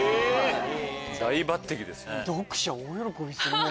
大抜てきです。